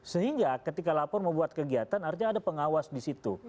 sehingga ketika lapor mau buat kegiatan artinya ada pengawas di situ